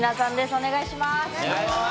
お願いします。